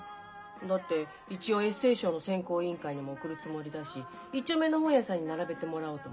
だって一応エッセー賞の選考委員会にも送るつもりだし１丁目の本屋さんに並べてもらおうと思って。